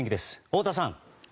太田さん。